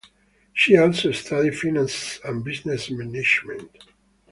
She also studied finance and business management.